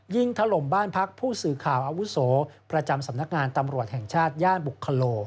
ถล่มบ้านพักผู้สื่อข่าวอาวุโสประจำสำนักงานตำรวจแห่งชาติย่านบุคโล